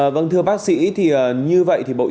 vâng thưa bác sĩ như vậy thì bộ y tế